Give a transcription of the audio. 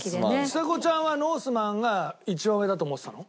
ちさ子ちゃんはノースマンが一番上だと思ってたの？